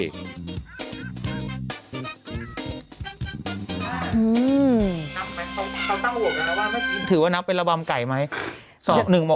เธอตกโว้วไหวแม่วะถือว่านับเป็นระบำไก่ไหม